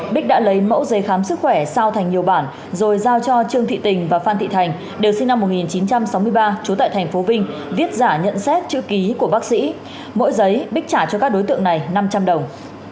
bích đã lấy mẫu giấy khám sức khỏe sao thành nhiều bản rồi giao cho trương thị tình và phan thị thành đều sinh năm một nghìn chín trăm sáu mươi ba trú tại tp vinh viết giả nhận xét chữ ký của bác sĩ mỗi giấy bích trả cho các đối tượng này năm trăm linh đồng